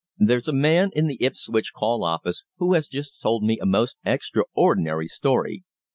There's a man in the Ipswich call office who has just told me a most extraordinary story.